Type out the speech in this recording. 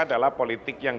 adalah politik yang